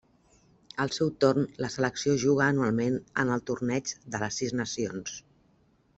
Al seu torn, la selecció juga anualment en el Torneig de les Sis Nacions.